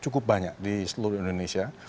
cukup banyak di seluruh indonesia